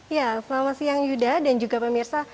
ya selamat siang yuda dan juga pemirsa